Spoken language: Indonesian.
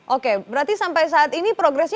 oke berarti sampai saat ini progresnya